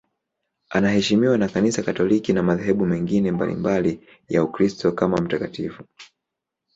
Anaheshimiwa na Kanisa Katoliki na madhehebu mengine mbalimbali ya Ukristo kama mtakatifu.